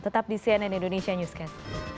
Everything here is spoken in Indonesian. tetap di cnn indonesia newscast